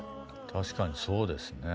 確かにそうですね。